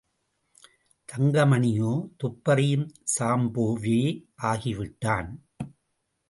தங்கமணியோ துப்பறியும் சாம்புவே ஆகிவிட்டான்.